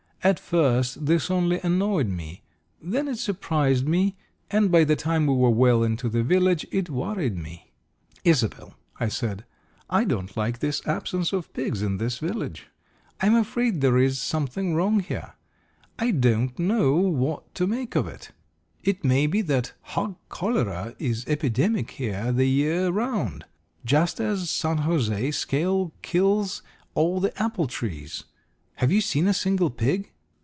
At first this only annoyed me, then it surprised me, and by the time we were well into the village it worried me. "Isobel," I said, "I don't like this absence of pigs in this village. I am afraid there is something wrong here. I don't know what to make of it. It may be that hog cholera is epidemic here the year 'round, just as San José scale kills all the apple trees. Have you seen a single pig?"